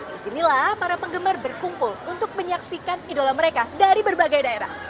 disinilah para penggemar berkumpul untuk menyaksikan idola mereka dari berbagai daerah